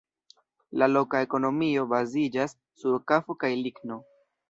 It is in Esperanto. La loka ekonomio baziĝas sur kafo kaj ligno.